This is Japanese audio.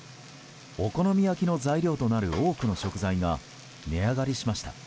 お好み焼きの材料となる多くの食材が値上がりしました。